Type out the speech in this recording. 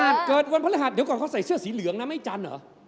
เดี๋ยวก่อนเหลืองเขาใส่เสื้อสีเรียงน้ำให้จันรอ